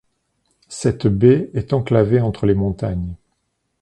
Cette baie est enclavée entre les montagnes.